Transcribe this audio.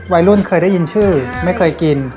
วัยรุ่นเคยได้ยินชื่อไม่เคยกิน